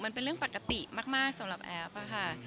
มันเป็นเรื่องปกติมากสำหรับแอฟค่ะ